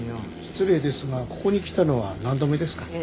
失礼ですがここに来たのは何度目ですかね？